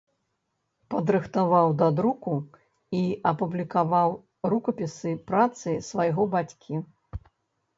Падрыхтаваў да друку і апублікаваў рукапісы працы свайго бацькі.